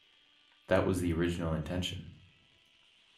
That was the original intention.